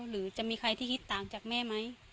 หรือจะมีใครที่คิดต่างจากแม่ไหม